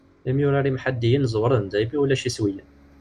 Imyurar imḥaddiyen ẓewren daymi i ulac iswiyen.